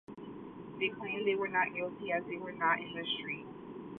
They claimed they were not guilty as they were not in the "street".